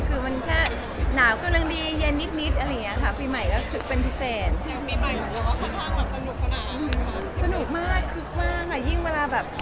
คือมันแค่หนาวก็ดีเย็นนิดอะไรยังไง